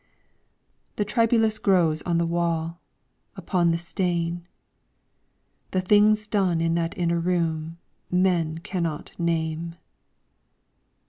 The tribulus grows on the wall, Upon the stain. The things done in that inner room Men cannot name.